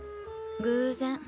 偶然。